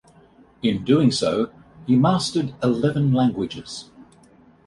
In doing so, he mastered eleven languages.